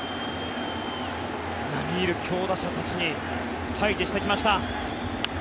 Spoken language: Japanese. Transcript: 並みいる強打者たちに対峙してきました。